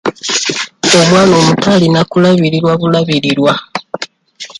Omwana omuto ayina kulabirirwa bulabirirwa.